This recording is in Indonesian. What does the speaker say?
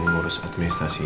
mengurus administrasi ya